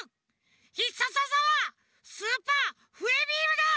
ひっさつわざはスーパーふえビームだ！